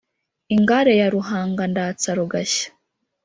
Ingare ya Ruhanga ndatsa rugashya